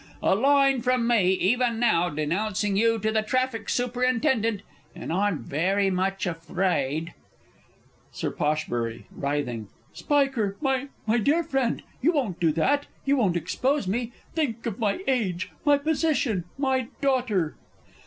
A line from me, even now, denouncing you to the Traffic Superintendent, and I'm very much afraid Sir P. (writhing). Spiker, my my dear friend, you won't do that you won't expose me? Think of my age, my position, my daughter!